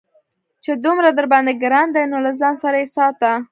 چې دومره درباندې گران دى نو له ځان سره يې ساته.